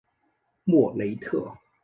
莫雷特。